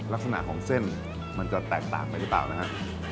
ลักษณะของเส้นมันจะแตกต่างไปหรือเปล่านะฮะ